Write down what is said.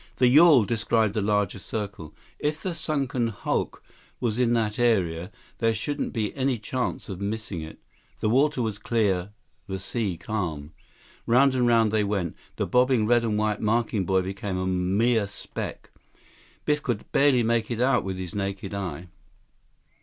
The yawl described a larger circle. If the sunken hulk was in that area, there shouldn't be any chance of missing it. The water was clear, the sea calm. Round and round they went. The bobbing red and white marking buoy became a mere speck. Biff could barely make it out with his naked eye.